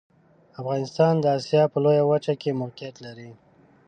افغانستان د اسیا په لویه وچه کې موقعیت لري.